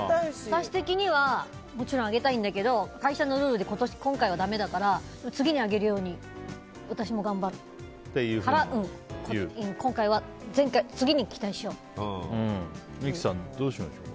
私的にはもちろん上げたいんだけど会社のルールで今回はダメだから次は上げるように私も頑張るから三木さん、どうしましょう？